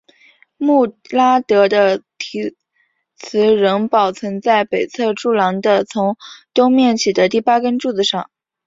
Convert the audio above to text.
穆拉德的题词仍保存在北侧柱廊的从东面起的第八根柱子上。